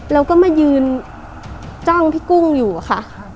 แล้วก็มายืนจ้างพี่กุ้งอยู่อะค่ะ